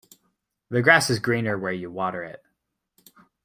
The grass is greener where you water it.